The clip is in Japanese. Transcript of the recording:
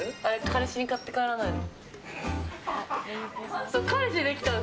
彼氏に買って帰らないの？